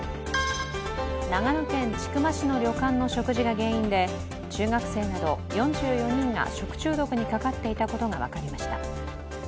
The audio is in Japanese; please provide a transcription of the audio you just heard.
長野県千曲市の旅館の食事が原因で、中学生など４４人が食中毒にかかっていたことが分かりました。